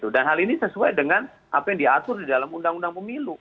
dan hal ini sesuai dengan apa yang diatur di dalam undang undang pemilu